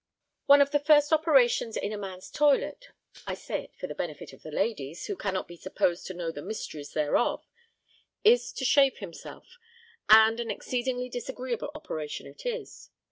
One of the first operations in a man's toilet I say it for the benefit of ladies, who cannot be supposed to know the mysteries thereof is to shave himself; and an exceedingly disagreeable operation it is.